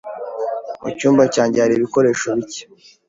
Mu cyumba cyanjye hari ibikoresho bike.